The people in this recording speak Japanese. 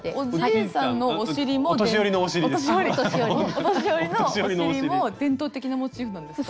「お年寄りのお尻」も伝統的なモチーフなんですか？